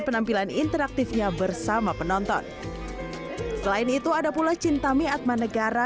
penampilan interaktifnya bersama penonton selain itu ada pula cinta miatmanegara